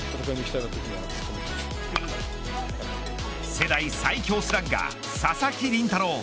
世代最強スラッガー佐々木麟太郎。